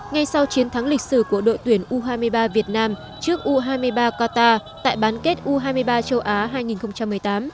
ngay sau chiến thắng lịch sử của đội tuyển u hai mươi ba việt nam trước u hai mươi ba qatar tại bán kết u hai mươi ba châu á hai nghìn một mươi tám